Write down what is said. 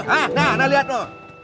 hah nah lihat lu